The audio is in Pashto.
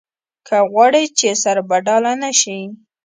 که غواړې چې سربډاله نه شې.